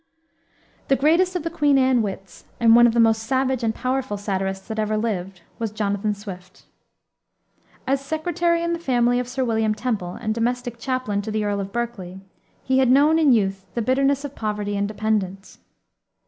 The greatest of the Queen Anne wits, and one of the most savage and powerful satirists that ever lived, was Jonathan Swift. As secretary in the family of Sir William Temple, and domestic chaplain to the Earl of Berkeley, he had known in youth the bitterness of poverty and dependence.